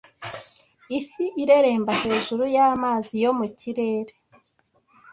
Ifi ireremba hejuru y’amazi yo mu kirere